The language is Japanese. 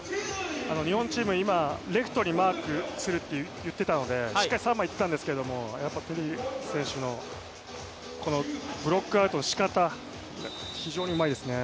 日本チーム、今、レフトにマークするって言ってたのでしっかり三枚切ったんですけどやっぱりティリ選手のこのブロックアウトのしかた非常にうまいですね。